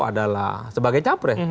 adalah sebagai capres